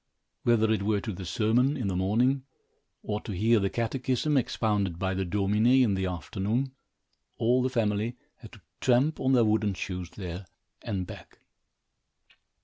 Whether it were to the sermon, in the morning, or to hear the catechism expounded by the Domine, in the afternoon, all the family had to tramp on their wooden shoes there and back.